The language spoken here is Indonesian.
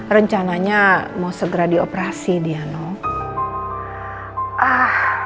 rencananya mau segera dioperasi dia noh